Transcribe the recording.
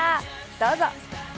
どうぞ！